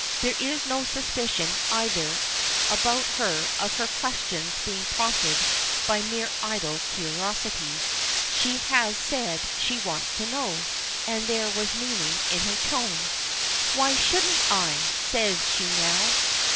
There is no suspicion, either, about her of her questions being prompted by mere idle curiosity. She has said she wanted to know, and there was meaning in her tone. "Why shouldn't I?" says she now.